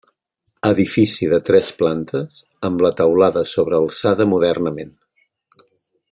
Edifici de tres plantes amb la teulada sobrealçada modernament.